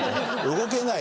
動けない。